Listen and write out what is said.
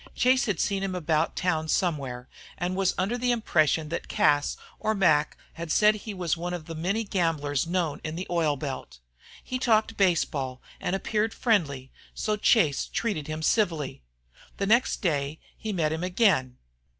Chase had seen him about town somewhere, and was under the impression that Cas or Mac had said he was one of the many gamblers known in the oil belt. He talked baseball and appeared friendly, so Chase treated him civilly. The next day he met him again.